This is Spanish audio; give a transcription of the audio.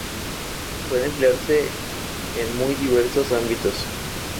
Puede emplearse en muy diversos ámbitos.